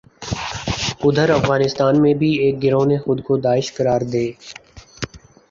ادھر افغانستان میں بھی ایک گروہ نے خود کو داعش قرار دے